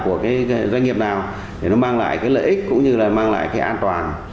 của doanh nghiệp nào để mang lại lợi ích cũng như mang lại an toàn